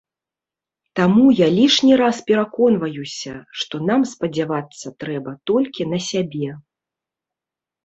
Таму я лішні раз пераконваюся, што нам спадзявацца трэба толькі на сябе.